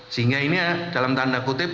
sehingga ini dalam tanda kutip